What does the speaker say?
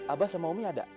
abah sama umi ada